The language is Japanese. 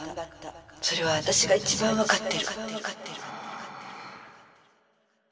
それは私が一番分かってる」。